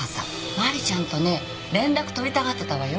マリちゃんとね連絡取りたがってたわよ。